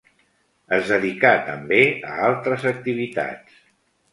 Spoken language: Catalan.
Es dedicà també a altres activitats.